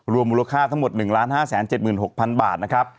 มูลค่าทั้งหมด๑๕๗๖๐๐๐บาทนะครับ